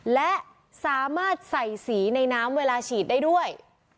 และสามารถใส่สีในน้ำเวลาฉีดได้ด้วย